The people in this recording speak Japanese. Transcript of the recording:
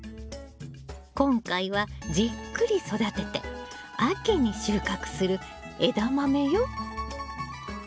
今回はじっくり育てて秋に収穫するエダマメよ。